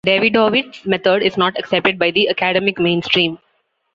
Davidovits's method is not accepted by the academic mainstream.